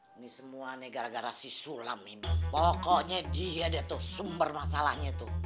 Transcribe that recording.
ini semua nih gara gara si sulam mi pokoknya dia deh tuh sumber masalahnya tuh